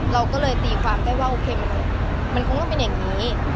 เราก็เลยตีความได้ว่าโอเคมันคงต้องเป็นอย่างนี้